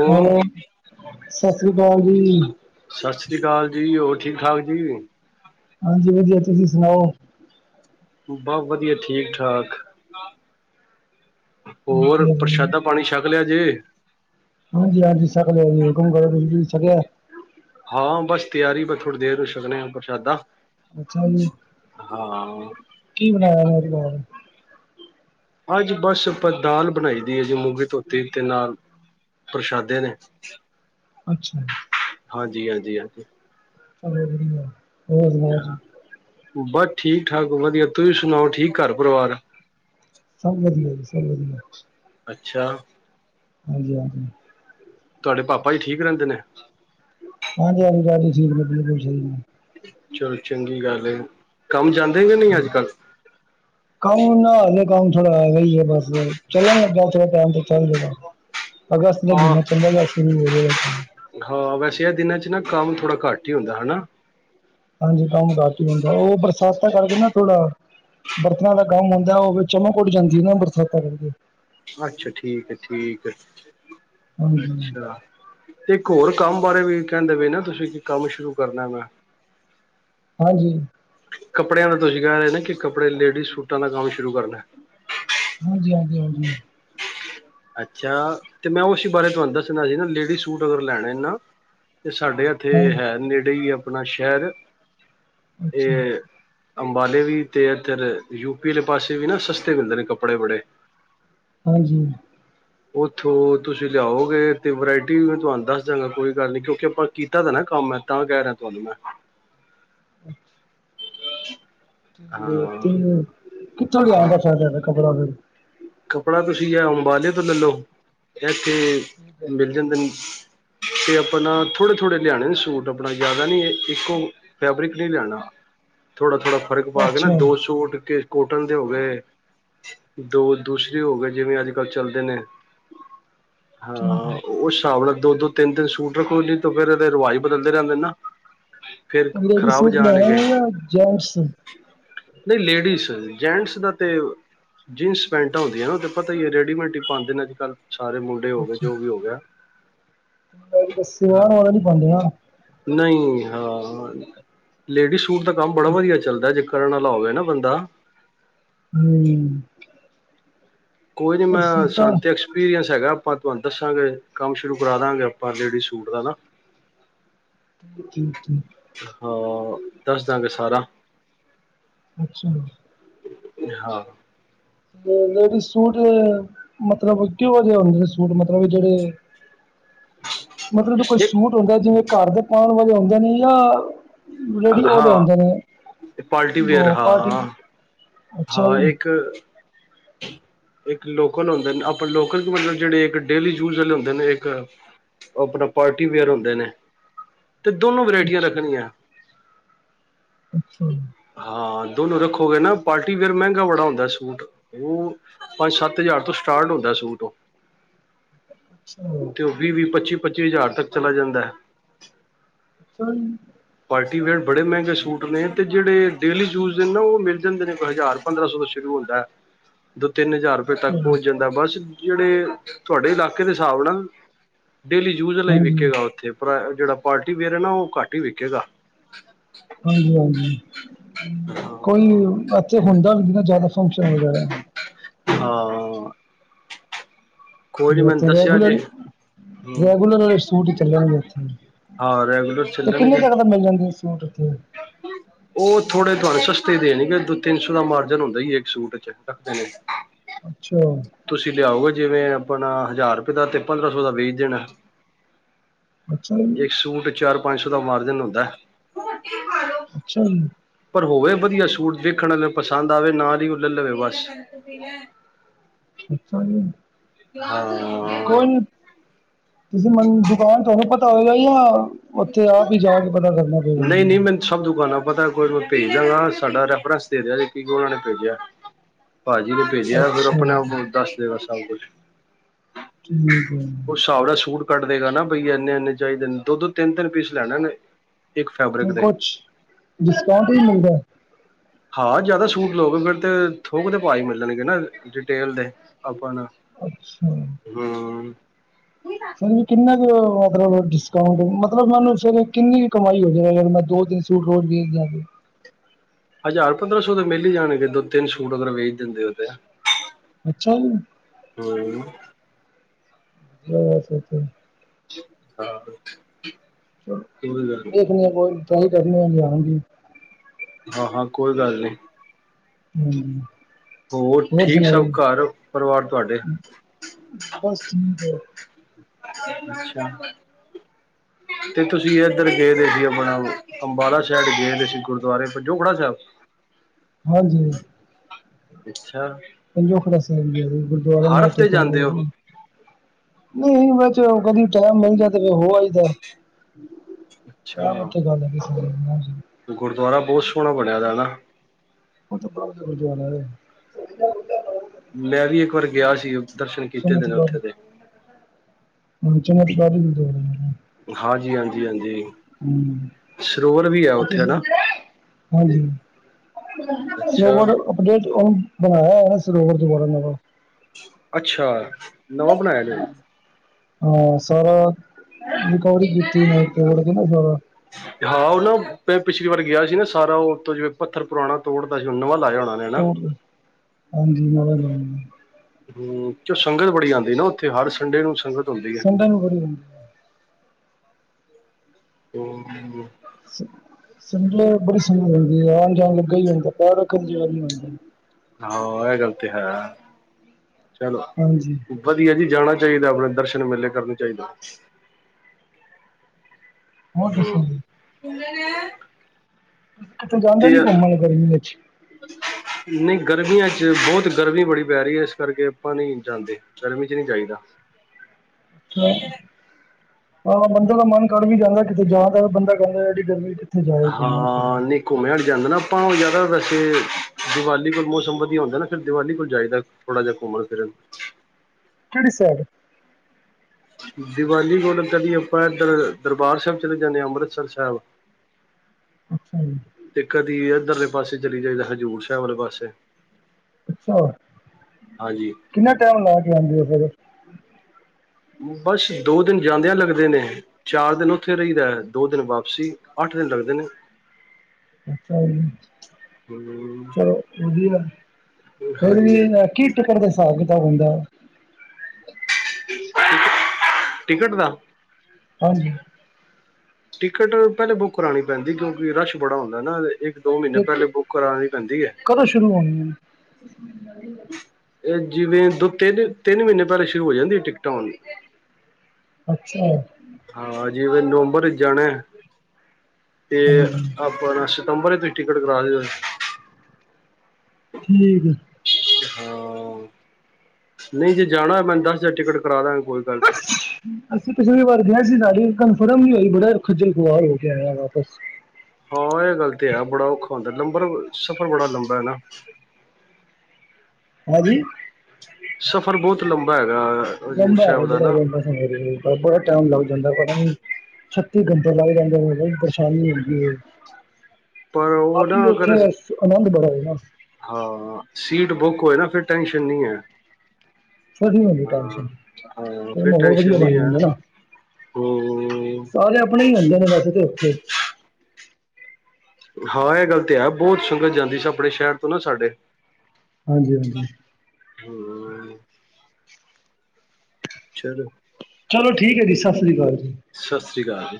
ਹੋ ਹੈਲੋ ਸਤਿ ਸ੍ਰੀ ਅਕਾਲ ਜੀ। ਸਤਿ ਸ਼੍ਰੀ ਅਕਾਲ ਜੀ ਹੋਰ ਠੀਕ ਠਾਕ ਜੀ। ਹਾਂਜੀ ਵਧੀਆ ਤੁਸੀਂ ਸੁਣਾਓ? ਬਾ ਵਧੀਆ ਠੀਕ ਠਾਕ ਹੋਰ ਓਕੇ ਜੀ, ਪ੍ਰਸ਼ਾਦਾ। ਪਾਣੀ ਛਕ ਲਿਆ ਜੇ। ਹਾਂਜੀ ਹਾਂਜੀ, ਛਕਲਿਆ ਜੀ ਹੁਕਮ ਕਰੋ ਤੁਸੀਂ ਛਕਲਿਆ। ਹਾਂ, ਬਸ ਤਿਆਰੀ ਬ ਥੋੜ੍ਹੀ ਦੇਰ ਵਿੱਚ ਛਕਦੇ ਆ ਪ੍ਰਸ਼ਾਦਾ। ਅੱਛਾ ਜੀ, ਹਾਂ ਕੀ ਬਣਾਇਆ [unintelligible] ਨਾਲ। ਅੱਜ ਬਸ ਆਪਾਂ ਦਾਲ ਬਣਾਈ ਦੀ ਐ ਜੀ ਮੂੰਗੀ ਧੋਤੀ ਤੇ ਨਾਲ। ਪ੍ਰਸ਼ਾਦੇ ਨੇ। ਅੱਛਾ। ਹਾਂਜੀ ਹਾਂਜੀ ਹਾਂਜੀ। ਚੱਲੋ ਵਧੀਆ। ਹੋਰ ਸੁਣਾਓ ਜੀ? ਬਸ ਠੀਕ ਠਾਕ ਵਧੀਆ ਤੁਸੀਂ ਸੁਣਾਓ ਠੀਕ ਘਰ ਪਰਿਵਾਰ? ਸਭ ਵਧੀਆ ਜੀ ਸਭ ਵਧੀਆ। ਅੱਛਾ। ਹਾਂਜੀ ਹਾਂਜੀ। ਤੁਆਡੇ ਪਾਪਾ ਜੀ ਠੀਕ ਰੈਂਦੇ ਨੇ? ਹਾਂਜੀ-ਹਾਂਜੀ ਪਾਪਾ ਜੀ [unintelligible] ਚਲ ਚੰਗੀ ਗੱਲ ਏ। ਕੰਮ ਜਾਂਦੇ ਕੇ ਨਈ ਆੱਜ-ਕਾੱਲ? ਕੰਮ ਨਾ ਹੋ ਗਯਾ ਕੰਮ ਥੋੜਾ ਹੈਗਾ ਈ ਏ ਬਸ, ਚੱਲਣ ਲੱਗਾ ਏ ਥੋੜਾ ਟਾਈਮ ਤਕ ਚੱਲ ਜੇਗਾ। ਅਗਸਤ ਦੇ ਮਿੰਨ੍ਹੇ ਚੱਲੇਗਾ, ਸ਼ੁਰੂ ਹੋਵੇਗਾ ਕੰਮ। ਏ ਹਾਂ ਵੈਸੇ ਐ ਦਿਨਾਂ 'ਚ ਨਾ ਕੰਮ ਥੋੜਾ ਘੱਟ ਈ ਹੁੰਦੈ, ਹੈਨਾ। ਹਾਂਜੀ ਕੰਮ ਕਰਕੇ ਹੁੰਦਾ। ਓ ਬਰਸਾਤਾਂ ਕਰਕੇ ਨਾ ਥੋੜਾ ਬਰਤਨਾਂ ਦਾ ਕੰਮ ਆਂਦੈ, ਓ ਵੀ ਚਮਕ ਉੜ ਜਾਂਦੀ ਏ ਨਾ ਬਰਸਾਤਾਂ ਕਰਕੇ। ਅੱਛਾ, ਠੀਕ ਐ-ਠੀਕ ਐ। ਹਾਂਜੀ ਅੱਛਾ। ਤੇ ਏੱਕ ਹੋਰ ਕੰਮ ਬਾਰੇ ਵੀ ਕੈਂਦੇ ਵੇ ਨਾ ਤੁਸੀ ਕਿ ਕੰਮ ਸ਼ੁਰੂ ਕਰਨੈ ਮੈਂ। ਹਾਂਜੀ। ਕੱਪੜਿਆਂ ਦਾ ਤੁਸੀ ਕੈ ਰੇ ਨੇ ਕਿ ਕੱਪੜੇ ਲੇਡੀਜ਼ ਸੂਟਾਂ ਦਾ ਕੰਮ ਸ਼ੁਰੂ ਕਰਨੈ। ਹਾਂਜੀ-ਹਾਂਜੀ-ਹਾਂਜੀ। ਅੱਛਾ! ਤੇ ਮੈਂ ਉਸੀ ਬਾਰੇ ਤੁਆਨੂੰ ਦਸਨਾ ਸੀ ਨਾ ਲੇਡੀਜ਼ ਸੂਟ ਅਗਰ ਲੈਣੇ ਨਾ ਤੇ ਸਾਡੇ ਅੱ ਥੇ ਹਾਂਜੀ ਹੈ ਨੇੜੇ ਈ ਐ ਆਪਣਾ ਸ਼ੈਰ ਏ ਅੱਛਾ ਅੰਬਾਲੇ ਵੀ ਤੇ ਏੱਥਰ ਯੂਪੀ ਅਲੇ ਪਾਸੇ ਵੀ ਨਾ ਸਸਤੇ ਮਿਲਦੇ ਨੇ ਕੱਪੜੇ ਬੜੇ। ਹਾਂਜੀ। ਓਥੋਂ ਤੁਸੀ ਲਿਆਓਗੇ ਤੇ ਵਰਾਇਟੀ ਵੀ ਮੈਂ ਤੁਆਨੂੰ ਦੱਸ ਦਾਂਗਾ, ਕੋਈ ਗੱਲ ਨੀ ਕਿਉਂਕਿ ਆਪਾਂ ਕੀਤਾ ਦਾ ਨਾ ਕੰਮ ਐ। ਤਾਂ ਕੈ ਰਿਆਂ ਤੁਆਨੂੰ ਮੈਂ। ਅੱਛਾ। ਹਾਂ [unintelligible] ਕਿੱਥੋਂ ਲੇਅ ਹਾਂ ਆਂਦਾ [unintelligible] ਕਪੜਾ [unintelligible] ਕੱਪੜਾ ਤੁਸੀ ਯਾਂ ਐ ਅੰਬਾਲੇ ਤੋਂ ਲੱਲ ਲੋ। ਇੱਥੇ ਠੀਕ ਹੈ ਮਿਲ ਜਾਂਦੇ ਨ। ਤੇ ਆਪਣਾ ਥੋੜੇ-ਥੋੜੇ ਲਿਆਣੇ ਨੇ ਸੂਟ ਆਪਣਾ ਯਾਦਾ ਨੀ ਏ ਇੱਕੋ ਫੈਬਰਿਕ ਨੀ ਲੈਣਾ। ਥੋੜਾ-ਥੋੜਾ ਫਰਕ ਪਾ ਕੇ ਨਾ ਅੱਛਾ ਦੋ ਸੂਟ ਕੇ ਕੋਟਨ ਦੇ ਹੋ ਗੇ, ਦੋ ਦੂਸਰੇ ਹੋ ਗੇ ਜਿਵੇਂ ਆੱਜ-ਕਾੱਲ ਚੱਲਦੇ ਨੇ। ਠੀਕ ਹੈ ਹਾਂ ਓਸ ਸਾਬ ਨਾਲ ਦੋ ਦੁ ਤਿੰਨ-ਤਿੰਨ ਸੂਟ ਰੱਖੋ ਨੀ ਤੇ ਫੇਰ ਏਦੇ ਰਿਵਾਜ਼ ਬਦਲਦੇ ਰੈਂਦੇ ਨਾ ਫੇਰ ਲੇਡੀਜ਼ ਖ਼ਰਾਬ ਸੂਟ ਲੈਣੇ ਜਾਣਗੇ ਨੇ ਯਾਂ ਜੇੈਂਟਸ? ਨਈ ਲੇਡੀਜ਼। ਜੈਂਟਸ ਦਾ ਤੇ ਜੀਨਸ ਪੈਂਟਾਂ ਹੁੰਦੀਐ ਨਾ ਓ ਤੇ ਪਤਾ ਈ ਏ ਰੇਡੀਮੇਟ ਈ ਪਾਂਦੇ ਨੇ ਆੱਜ-ਕਾੱਲ ਸਾਰੇ ਮੁੰ ਡੇ ਹੋ ਗੇ, ਜੋ ਵੀ ਹੋ ਗਿਆ। [unintelligible] ਨੀ ਪਾਂਦੀਆਂ। ਨਈ ਹਾਂ ਲੇਡੀਜ਼ ਸੂਟ ਦਾ ਕੰਮ ਬੜਾ ਵਧੀਆ ਚੱਲਦਾ ਜੇ। ਕਰਨ ਆਲਾ ਹੋਵੇ ਨਾ ਬੰਦਾ ਹੂੰ। ਕੋਈ ਨੀ ਪਰ ਮੈਂ ਸੂਟਾਂ ਸਾਨੰ ਤੇ ਐਕਸਪੀਰੀਅੰਸ ਹੈਗਾ ਪਾਂ ਤੁਆਨੂੰ ਦੱਸਾਂਗੇ। ਕੰਮ ਸ਼ੁਰੂ ਕਰਾ ਦਾਂਗੇ ਆਪਾਂ, ਲੇਡੀਜ਼ ਸੂਟ ਦਾ ਨਾ। [unintelligible] ਹਾਂ, ਦੱਸ ਦਾਂਗੇ ਸਾਰਾ ਅੱਛਾ। ਹਾਂ। ਲੇਡੀਜ਼ ਸੂਟ ਮਤਲਬ ਕਿਹੋ ਜਿਹੇ ਹੁੰਦੇ ਨੇ ਸੂਟ ਮਤਲਬ ਜੜੇ ਮਤਲਬ ਕੋਈ ਇੱਕ ਸੂਟ ਹੁੰਦੈ ਜਿਵੇਂ ਘਾਰ ਦੇ ਪਾਣ ਵਾਲੇ ਹੁੰਦੇ ਨੇ ਯਾ ਰੇਡੀ ਓ ਜੜੇ ਹਾਂ ਹੁੰਦੇ ਨੇ ਪਾਰਟੀ ਓ ਵੇਅਰ ਪਾਰਟੀ ਹਾਂ ਅੱਛਾ ਹਾਂ ਜੀ ਇੱਕ ਇੱਕ ਲੋਕਲ ਹੁੰਦੇ ਨੇ ਆਪਣੇ ਲੋਕਲ ਮਤਲਬ ਜਿਹੜੇ ਇੱਕ ਡੇਲੀ ਯੂਜ ਵਾਲੇ ਹੁੰਦੇ ਨੇ ਇੱਕ ਓ ਆਪਣਾ ਪਾਰਟੀ ਵੇਅਰ ਹੁੰਦੇ ਨੇ, ਤੇ ਦੋਨੋ ਵਰਾਇਟੀਆਂ ਅੱਛਾ ਰੱਖਣੀਆਂ। ਅੱਛਾ। ਹਾਂ, ਦੋਨੋ ਰੱਖੋਗੇ ਨਾ। ਪਾਰਟੀ ਵੇਅਰ ਮਹਿੰਗਾ ਬੜਾ ਹੁੰਦਾ ਸੂਟ ਓ ਪੰਜ ਸੱਤ ਹਜ਼ਾਰ ਤੋਂ ਸਟਾਰਟ ਹੁੰਦਾ ਸੂਟ ਓ। [inaudible] ਸਈ। ਤੇ ਓ ਵੀਹ-ਵੀਹ ਪੱਚੀ-ਪੱਚੀ ਹਜ਼ਾਰ ਤੱਕ ਚਲਾ ਜਾਂਦਾ। ਅੱਛਾ ਜੀ। ਪਾਰਟੀ ਵੇਅਰ ਬੜੇ ਮਹਿੰਗੇ ਸੂਟ ਨੇ ਤੇ ਜਿਹੜੇ ਡੇਲੀ ਯੂਜ ਦੇ ਨਾ ਓ ਮਿਲ ਜਾਂਦੇ ਨੇ ਹਜ਼ਾਰ ਪੰਦਰਾਂ ਸੌ ਤੋਂ ਸ਼ੁਰੂ ਹੁੰਦਾ। ਦੋ ਤਿੰਨ ਹਜ਼ਾਰ ਰੁਪਏ ਅੱਛਾ ਤੱਕ ਜੀ, ਪਹੁੰਚ ਜਾਂਦਾ ਬਸ ਜਿਹੜੇ ਤੁਹਾਡੇ ਇਲਾਕੇ ਦੇ ਹਿਸਾਬ ਨਾਲ। ਡੇਲੀ ਯੂਜ ਆਲਾ ਈ ਹਾਂਜੀ ਵਿਕੇਗਾ ਉੱਥੇ ਪਰ ਐ ਜਿਹੜਾ ਪਾਰਟੀ ਵੇਅਰ ਆ ਨਾ ਓ ਘੱਟ ਈ ਵਿਕੇਗਾ। ਹਾਂਜੀ-ਹਾਂਜੀ, ਕੋਈ ਹਾਂ ਇੱਥੇ ਹੁੰਦਾ ਵੀ ਨੀ ਨਾ ਜਿਆਦਾ ਫੰਕਸ਼ਨ ਵਗੈਰਾ। ਹਾਂ, ਕੋਈ ਨੀ ਤੇ ਮੈਨੂੰ ਇੱਥੇ ਦੱਸਿਆ ਜੇ ਰੈਗੂਲਰ ਹੂੰ ਰੈਗੂਲਰ ਵਾਲੇ ਸੂਟ ਹੀ ਚੱਲਣਗੇ ਇੱਥੇ ਹਾਂ ਰੈਗੂਲਰ ਤੇ ਕਿੰਨੇ ਚੱਲਣਗੇ। ਤੱਕ ਦਾ ਮਿਲ ਜਾਂਦੇ ਸੂਟ ਇੱਥੇ ਉਹ ਥੋੜੇ ਤੁਹਾਨੂੰ ਸਸਤੇ ਦੇਣਗੇ ਦੋ ਤਿੰਨ ਸੌ ਦਾ ਮਾਰਜਨ ਹੁੰਦਾ ਈ ਇੱਕ ਸੂਟ ਚ ਰੱਖਦੇ ਨੇ। ਅੱਛਾ। ਤੁਸੀਂ ਲਿਆਓਗੇ ਜਿਵੇਂ ਆਪਣਾ ਹਜ਼ਾਰ ਰੁਪਏ ਦਾ ਤੇ ਪੰਦਰਾਂ ਸੌ ਦਾ ਵੇਚ ਦੇਣਾ। ਅੱਛਾ ਜੀ ਇੱਕ ਸੂਟ ਚ ਚਾਰ ਪੰਜ ਸੌ ਦਾ ਮਾਰਜਨ ਹੁੰਦਾ। ਅੱਛਾ ਜੀ। ਪਰ ਹੋਵੇ ਵਧੀਆ ਸੂਟ ਦੇਖਣ ਆਲੇ ਨੂੰ ਪਸੰਦ ਆਵੇ ਨਾਲ ਹੀ ਓ ਲੈ ਲਵੇ ਬਸ। ਅੱਛਾ ਜੀ। ਹਾਂ ਕੋਈ ਨੀ ਤੁਸੀਂ ਮੂੰ ਦੁਕਾਨ ਤੁਹਾਨੂੰ ਪਤਾ ਹੋਏਗਾ ਜਾਂ ਉੱਥੇ ਆਪ ਈ ਜਾ ਕੇ ਪਤਾ ਕਰਨਾ ਪਏਗਾ ਨਹੀਂ ਮੈਨੂੰ। ਨਹੀਂ ਸਭ ਦੁਕਾਨਾਂ ਪਤਾ ਕੋਈ ਨੀ ਭੇਜ ਦਾਂਗਾ ਸਾਡਾ ਰੈਫਰੰਸ ਦੇ ਦਿਆ ਜੇ ਕੀ ਉਹਨਾਂ ਨੇ ਭੇਜਿਆ। ਭਾਜੀ ਨੇ ਭੇਜਿਆ ਫਿਰ ਅੱਛਾ ਆਪਣੇ ਆਪ ਦੱਸ ਦੇਗਾ ਸਭ ਕੁਛ। ਠੀਕ ਐ। ਉਹ ਸਾਬ ਨਾਲ ਸੂਟ ਕੱਢ ਦੇਗਾ ਨਾ ਬਈ ਇੰਨੇ ਇੰਨੇ ਚਾਹੀਦੇ ਨੇ ਦੋ ਦੋ ਤਿੰਨ ਤਿੰਨ ਪੀਸ ਲੈਣੇ ਨੇ। ਇੱਕ ਫੈਬਰਿਕ ਤੇ ਦੇ ਕੁਛ ਡਿਸਕਾਊਂਟ ਵੀ ਮਿਲਦਾ। ਹਾਂ ਜ਼ਿਆਦਾ ਸੂਟ ਲੋਗੇ ਫਿਰ ਤੇ ਥੋਕ ਦੇ ਪਾ ਈ ਮਿਲਣਗੇ ਨਾ ਰਿਟੇਲ ਦੇ ਆਪਾਂ ਨੂੰ। ਅੱਛਾ। ਹੂੰ, ਫਿਰ ਵੀ ਕਿੰਨਾ ਕੁ ਮਤਲਬ ਡਿਸਕਾਊਂਟ ਮਤਲਬ ਮੈਨੂੰ ਫਿਰ ਕਿੰਨੀ ਕ ਕਮਾਈ ਹੋ [unintelligible] ਮੈਂ ਦੋ ਤਿੰਨ ਸੂਟ [unintelligible] ਹਜ਼ਾਰ ਪੰਦਰਾਂ ਸੌ ਦੇ ਮਿਲ ਈ ਜਾਣਗੇ ਦੋ ਤਿੰਨ ਸੂਟ ਅਗਰ ਵੇਚ ਦਿੰਦੇ ਓ ਤੇ। ਅੱਛਾ ਜੀ। ਹੂੰ। ਕਿਆ ਵੈਸੇ ਤੇ। ਹਾਂ। ਕੋਈ ਗੱਲ ਨੀ ਦੇਖਣੀ ਆ ਕੋਈ [unintelligible] ਹਾਂ ਹਾਂ, ਕੋਈ ਗੱਲ ਨੀ। ਹਾਂਜੀ। ਹੋਰ ਠੀਕ ਸਭ ਘਰ ਪਰਵਾਰ ਤੁਹਾਡੇ। ਬਸ ਠੀਕ ਹੈ ਅੱਛਾ ਤੇ ਤੁਸੀਂ ਏਧਰ ਗਏਦੇ ਦੇ ਬਣਾਲੋ- ਅੰਬਾਲਾ ਸੈਡ ਗਏ ਦੀ ਸੀ ਗੁਰਦੁਆਰੇ ਸੱਜੋ ਖੜਾ ਸਾਹਿਬ- ਹਾਂਜੀ। ਅੱਛਾ। ਹਰ ਹਫ਼ਤੇ ਜਾਂਦੇ ਹੋ [unintelligible] ਨੀ ਮੈਂ ਚ ਕਦੀ ਟਾਈਮ ਮਿਲ ਜਾ ਤੇ ਵੇ ਵੂ ਆਈ- ਲੇ ਚਾਅ ਅੱਛਾ ਮਠੇ ਪਾ ਦੇ ਏਨਾ ਚ ਗੁਰਦੁਆਰਾ ਬੋਤ ਸੋਣਾ ਬਣਿਆ ਦਾ ਨਾ ਆ ਮੈਂ ਵੀ ਏਕ ਵਾਰ ਗਿਆ ਸੀ ਦਰਸ਼ਨ ਕੀਤੇ ਦਿ ਨੇ ਉੱਥੇ ਦੇ। ਹੂੰ ਚਮਤਕਾਰੀ ਤੇ ਹਾਂਜੀ ਕ ਹਾਂਜੀ ਹਾਂਜੀ ਹੂੰ ਸਰੋਵਰ ਵ ਆ ਹੋਰ? ਡੇਟ ਓ ਬਣਾਏਆ ਅੱਛਾ ਹੋਏਆ ਨਾ ਸਰੋਵਰ ਦੁਆਾਰੇ ਅੱਛਾ ਨਵਾਂ ਬਣਾਐਆ ਜ ਹੁਣ? ਹਾਂ ਸਾਰਾ, ਰੀਕਵਰੀ ਕੀਤੀ ਨਾ ਬਰਾ ਹਾਂ ਓ ਨਾ ਮੈਂ ਪਿਛਲੀ ਵਾਰ ਗੇਆ ਸੀ ਨਾ ਸਾਰਾ ਓਤੋਂ ਜੇਵੇਂ ਪੱਥਰ ਪੁਰਾਣਾ ਤੋੜਦਾ ਸੀ ਓ ਨਵਾਂ ਲਾਏਆ ਹੋਣੇ। [unintelligible] ਹਾਂਜੀ ਨਵਾ ਲਾਏਆ ਹੂੰ ਚ ਸੰਗਤ ਬੜੀ ਆਦੀ ਨਾ ਓਥੇ ਹਰ ਸੰਡੇ ਨੂੰ ਸੰਗਤ ਹੁੰਦੀ ਹੈ ਸੰਡੇ ਨੂੰ ਬੜੀ ਹੁੰਦੀ ਹੈ [unintelligible] ਸ ਸਮਜ ਲੋ ਸਹ ਹੁੰਦੀ ਆਣ-ਜਾਣ ਲੱਗਾ ਈ ਹੁੰਦਾ ਪੈਰ ਰਖਨ ਦੀ ਜਗਾ ਨੀ ਹੁੰਦੀ। ਹਾਂ ਐ ਗਲ ਤੇ ਹੈ, ਚਲੋ ਹਾਂਜੀ। ਵਧੀਆ ਜੀ ਜਾਣਾ ਚਾਈਦਾ ਅਪਣੇ ਦਰਸ਼ਨ ਮੇਲੇ ਕਰਨੇ ਚਾਈਦਾ। ਹੋਰ ਦੱਸੋ ਹਾਂ [unintelligible] ਕੀਤੇ ਜਾਂਦਾ ਨੀ ਘੁੰਮਣ ਗਰਮੀ ਵੇਚ? ਨਈ ਗਰਮੀਆਂ ਚ ਬੋਤ ਗਰਮੀ ਬੜੀ ਪੈ ਰਈ ਐ ਏਸ ਕਰਕੇ ਆਪਾਂ ਨੀ ਜਾਂਦੇ। ਗਰਮੀ ਚ ਨੀ ਜਾਈਦਾ। ਛਾ ਹਾਂ ਬੰਦੇ ਦਾ ਮਨ ਕਰ ਵੀ ਜਾਂਦਾ ਕੀਤੇ ਜਾਦਾ ਬੰਦਾ ਕੈਂਦਾ ਯਾ ਏਨੀ ਗਰਮੀ ਓਥੇ ਜਾਏ ਘੁੰਮਣ-ਫਿਰਨ। ਘੁੰਮੇਆ ਨੀ ਜਾਂਦਾ ਨਾ ਆਪਾਂ ਓ ਯਾਦਾ ਵੈਸੇ ਦੀਵਾਲੀ ਕੋਲ ਮੌਸਮ ਵਧੀਆ ਹੁੰਦਾ ਨਾ ਫੇਰ ਦੀਵਾਲੀ ਕੋਲ ਜਾਈਦਾ ਥੋੜਾ ਜੇਆ ਘੁੰਮਣ-ਫਿਰਨ। ਕੇੜੀ ਸਾਲ? ਦੀਵਾਲੀ ਕੋਲ ਕਦੀ ਆਪਾਂ ਕਦੇ ਦਰਬਾਰ ਸਾਹਿਬ ਚਲੇ ਜਾਂਦੇ ਆ ਅੰਮ੍ਰਿਤਸਰ ਸੈਬ। [inaudible] ਅੱਛਾ ਜੀ। ਤੇ ਕਦੀ ਏਧਰਲੇ ਪਾਸੇ ਚਲੀ ਜਾਈਦਾ ਹਜ਼ੂਰ ਸਾਹਿਬ ਵਾਲੇ ਪਾਸੇ। ਅੱਛਾ, ਹਾਂਜੀ ਕੀਨਾ ਟਾਈਮ ਲਾ ਕੇ ਆਂਨੋ ਓ ਫੇਰ? ਬਸ ਦੋ ਦਿਨ ਜਾਂਦੇਆਂ ਲੱਗਦੇ ਨੇ ਚਾਰ ਦੇਨ ਓਥੇ ਰਈਦਾ ਐ ਦੋ ਦਿਨ ਵਾਪਸੀ ਅੱਠ ਦੇਨ ਲੱਗਦੇ ਨੇ। ਅੱਛਾ ਜੀ, ਹਮ ਚਲੋ ਵਧੀਆ ਗਲ ਏ, ਹਾਂਜੀ ਹਾਂਜੀ। [unintelligible] [unintelligible] ਸਾਬ ਕੀਤਾਬ ਹੁੰਦਾ ਟਿਕਟ ਦਾ ਹਾਂਜੀ ਟਿਕਟ ਪਹਿਲੇ ਬੁੱਕ ਕਰਾਉਣੀ ਪੈਂਦੀ ਕਿਉਂਕਿ ਰਸ਼ ਬੜਾ ਹੁੰਦਾ ਨਾ ਇ ਇੱਕ ਦੋ ਮਹੀਨੇ ਤੇ ਪਹਿਲੇ ਕ- ਬੁੱਕ ਕਰਾਣੀ ਪੈਂਦੀ ਏ ਕਦੋਂ ਸ਼ੁਰੂ ਹੋਣੀਆਂ ਕੁਛ ਨੀ ਇਹ ਜਿਵੇਂ ਦੋ ਤਿੰਨ ਤਿੰਨ ਮਹੀਨੇ ਪਹਿਲੇ ਸ਼ੁਰੂ ਹੋ ਜਾਂਦੀ ਟਿਕਟ ਆਉਣ ਅੱਛਾ ਹਾਂ ਜਿਵੇ ਨਵੰਬਰ 'ਚ ਜਾਣਾ ਤੇ ਹਾਂਜੀ ਅਪਾਂ ਬਾਂਰਾ ਸਤੰਬਰ ਤੁਸੀਂ ਟਿਕਟ ਕਰਾ ਰਿਹਾ ਠੀਕ ਹਾਂ ਨਹੀਂ ਜੇ ਜਾਣਾ ਮੈਨੂੰ ਦਸ ਹਜ਼ਾਰ ਟਿਕਟ ਕਰਾ ਦਵਾਂਗਾ ਕੋਈ ਗੱਲ ਨਹੀਂ ਅਸੀਂ ਪਿਛਲੀ ਵਾਰ ਗਏ ਸੀ ਸਾਡੀ ਕਨਫਰਮ ਨੀ ਹੋਈ ਬੜਾ ਖੱਜਲ ਖੁਆਲ ਹੋ ਕੇ ਆਏ ਵਾਪਸ ਹਾਂ ਏ ਗੱਲ ਤੇ ਹੈ ਬੜਾ ਔਖਾ ਹੁੰਦਾ ਲੰਬਰ ਸਫ਼ਰ ਬੜਾ ਲੰਬਾ ਹੈ ਨਾ ਹਾਂਜੀ ਸਫ਼ਰ ਬਹੁਤ ਲੰਬਾ ਹੈਗਾ ਹਜ਼ੂਰ ਸਾਹਿਬ ਦਾ ਨਾ ਹੋਰ ਬੜਾ ਟਾਈਮ ਲੱਗ ਜਾਂਦਾ ਪਤਾ ਨੀ ਛੱਤੀ ਘੰਟੇ ਲਗ ਜਾਂਦੇ ਬੜੀ ਪਰੇਸ਼ਾਨੀ ਹੁੰਦੀ ਏ [inaudible] ਉਹ ਬਾਕੀ ਨਾ ਉੱਥੇ ਅਗਰ ਆਨੰਦ ਬੜਾ ਹੈਗਾ ਹਾਂ ਸੀਟ ਬੁੱਕ ਹੋਏ ਨਾ ਫਿਰ ਟੈਂਨਸ਼ਨ ਨਹੀਂ ਹੈ ਫਰੀ ਹੁੰਦੀ ਟੈਨਸ਼ਨ ਹਾਂ 'ਚ ਫਿਰ ਮਾਹੌਲ ਟੈਨਸ਼ਨ ਵਧੀਆ ਮੰਨ ਨਹੀਂ ਆ ਜਾਂਦਾ ਨਾ ਹੂੰ ਸਾਰੇ ਆਪਣੇ ਹੀ ਹੁੰਦੇ ਨੇ ਵੈਸੇ ਤੇ ਉੱਥੇ ਹਾਂ ਇਹ ਗੱਲ ਤੇ ਹੈ ਬਹੁਤ ਸੰਗਤ ਜਾਂਦੀ ਸੀ ਆਪਣੇ ਸ਼ਹਿਰ ਤੋਂ ਸਾਡੇ ਹਾਂਜੀ ਹਾਂਜੀ ਹਮ ਚਲੋ ਚਲੋ ਠੀਕ ਹੈ ਜੀ ਸਸ੍ਰੀ ਅਕਾਲ ਜੀ ਸਤਿ ਸ਼੍ਰੀ ਅਕਾਲ